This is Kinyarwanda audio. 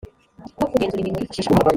no kugenzura imirimo yifashisha undi